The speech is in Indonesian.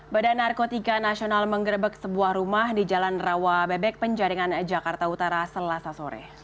badan narkotika nasional menggerebek sebuah rumah di jalan rawa bebek penjaringan jakarta utara selasa sore